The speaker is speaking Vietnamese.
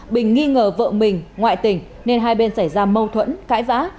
bình nghi ngờ vợ mình ngoại tỉnh nên hai bên xảy ra mâu thuẫn cãi vã